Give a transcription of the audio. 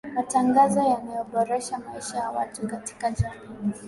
matangazo yanaboresha maisha ya watu katika jamii